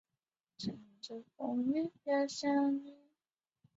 为中国最早的以女性为诉求的刊物之一。